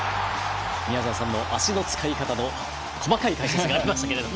宮澤さんの足の使い方の細かい解説がありましたけど。